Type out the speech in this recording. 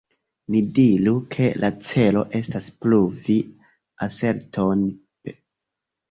Ni diru, ke la celo estas pruvi aserton "p".